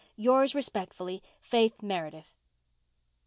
"Yours respectfully, "FAITH MEREDITH."